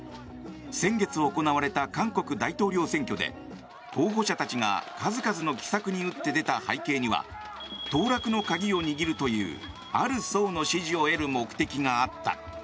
先月行われた韓国大統領選挙で候補者たちが数々の奇策に打って出た背景には当落の鍵を握るというある層の支持を得る目的があった。